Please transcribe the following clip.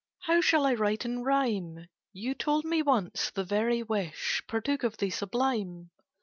How shall I write in rhyme? You told me once 'the very wish Partook of the sublime.